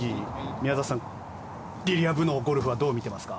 宮里さん、リリア・ブのゴルフはどう見ていますか。